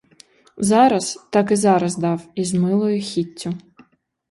Зараз, таки зараз дав, із милою хіттю.